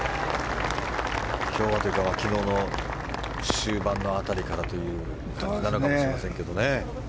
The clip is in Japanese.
今日はというか昨日の終盤の辺りからということかもしれませんけど。